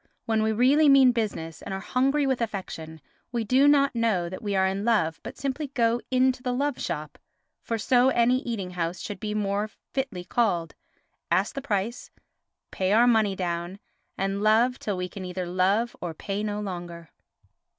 When we really mean business and are hungry with affection, we do not know that we are in love, but simply go into the love shop—for so any eating house should be more fitly called—ask the price, pay our money down, and love till we can either love or pay no longer.